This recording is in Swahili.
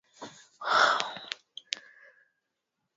Tanakh na pengine Deuterokanoni pia Haiwezekani kumuelewa